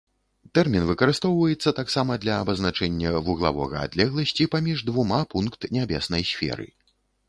Тэрмін выкарыстоўваецца таксама для абазначэння вуглавога адлегласці паміж двума пункт нябеснай сферы.